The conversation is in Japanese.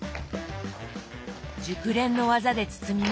熟練の技で包みます。